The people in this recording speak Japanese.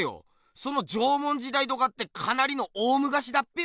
その縄文時代とかってかなりの大むかしだっぺよ？